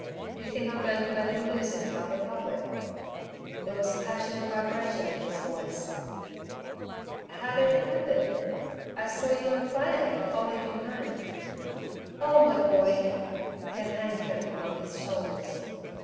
do you think I'm going to let him lose it, if I can help it." There was a passionate vibration in his voice. "How did it happen? I saw you on Friday and followed you home." "Oh, my boy!" Her hand trembled on his shoulders.